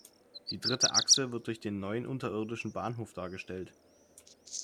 Die dritte Achse wird durch den neuen unterirdischen Bahnhof dargestellt.